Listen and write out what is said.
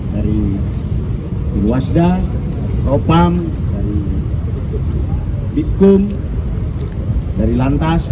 dari iluasda ropam bikkum dari lantas